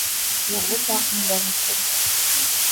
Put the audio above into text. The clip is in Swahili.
Naogopa mbwa mkubwa.